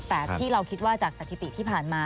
แต่ที่เราคิดว่าจากสถิติที่ผ่านมา